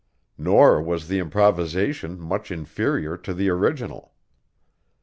Nor was the improvisation much inferior to the original.